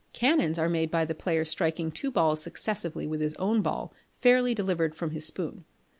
Canons are made by the player striking two balls successively with his own ball fairly delivered from his spoon.